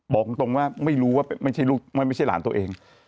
บอกตรงว่าไม่รู้ว่าไม่ใช่ลูกไม่ใช่หลานตัวเอง